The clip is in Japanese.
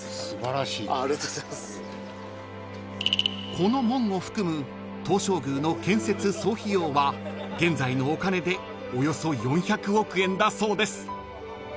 ［この門を含む東照宮の建設総費用は現在のお金でおよそ４００億円だそうです］